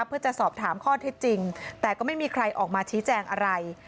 เพื่อจะสอบถามข้อเท็จจริงแต่ก็ไม่มีใครออกมาชี้แจงอะไร